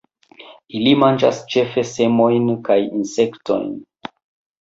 Ili manĝas ĉefe semojn kaj insektojn.